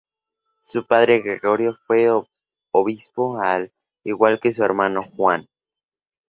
Su padre, Gregorio, fue obispo, al igual que su hermano Juan.